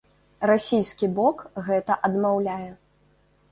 Расійскі бок гэта адмаўляе.